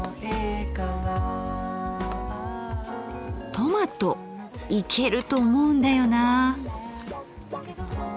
トマトいけると思うんだよな。